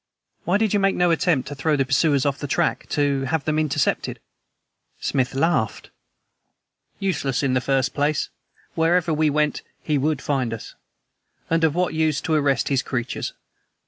"Why did you make no attempt to throw the pursuers off the track, to have them intercepted?" Smith laughed. "Useless, in the first place. Wherever we went, HE would find us. And of what use to arrest his creatures?